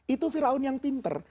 itu fir'aun yang pinter